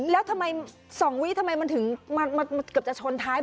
แล้วทำไมสองวิทย์มันกลับจะชนทางต่ออะไรแล้ว